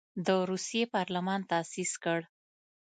د روسیې پارلمان تاسیس کړ.